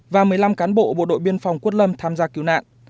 và một mươi năm cán bộ bộ đội biên phòng quất lâm tham gia cứu nạn